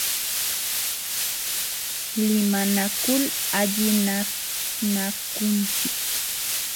Limanakul allichanakunchik.